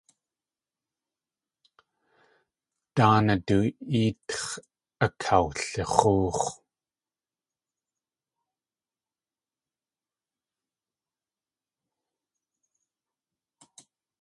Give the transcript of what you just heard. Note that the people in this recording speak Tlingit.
Dáanaa du éetx̲ akawlix̲óox̲.